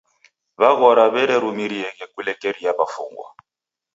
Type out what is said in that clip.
W'aghorie w'ererumirieghe kulekeria w'afungwa.